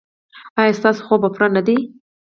ایا ستاسو خوب پوره نه دی؟